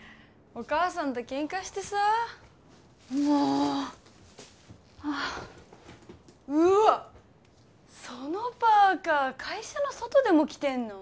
お母さんとケンカしてさもうはあうわっそのパーカー会社の外でも着てんの？